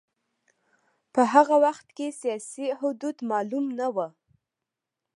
په هغه وخت کې سیاسي حدود معلوم نه و.